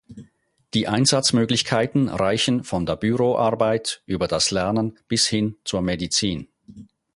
Die Einsatzmöglichkeiten reichen von der Büroarbeit über das Lernen bis hin zur Medizin.